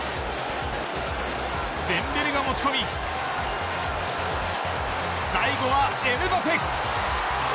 デンベレが持ち込み最後はエムバペ。